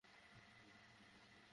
বেগম আর বেশিদিন, বাঁচবেন না।